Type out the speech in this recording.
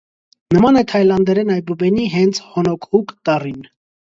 Նման է թաիլանդերեն այբուբենի հենց «հոնոկհուկ» տառին։